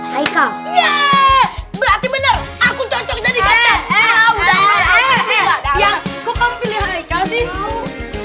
heikal berarti bener aku cocok jadi katen ya udah udah udah kok kamu pilih heikal sih